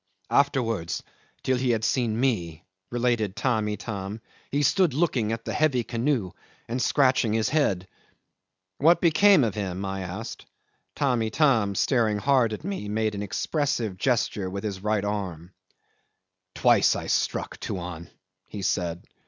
"Afterwards, till he had seen me," related Tamb' Itam, "he stood looking at the heavy canoe and scratching his head." "What became of him?" I asked. Tamb' Itam, staring hard at me, made an expressive gesture with his right arm. "Twice I struck, Tuan," he said.